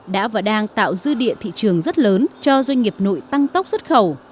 đã và đang tạo dư địa thị trường rất lớn cho doanh nghiệp nội tăng tốc xuất khẩu